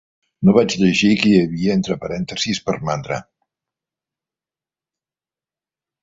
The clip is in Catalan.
No vaig llegir què hi havia entre parèntesis per mandra.